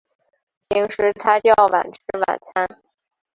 平时他较晚吃晚餐